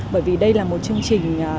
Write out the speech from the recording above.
bởi vì đây là một chương trình